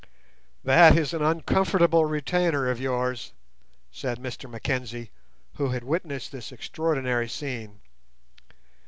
"That is an uncomfortable retainer of yours," said Mr Mackenzie, who had witnessed this extraordinary scene.